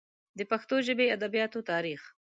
د پښتو ژبې ادبیاتو تاریخ